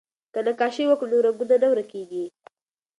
که نقاشي وکړو نو رنګونه نه ورکيږي.